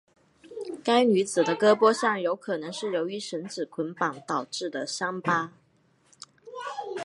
该女子的胳膊上有可能是由于绳子捆绑导致的伤疤。